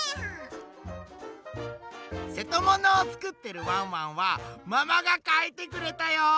せとものをつくってるワンワンはママがかいてくれたよ！